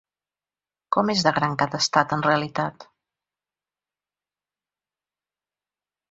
Com és de gran cada estat, en realitat?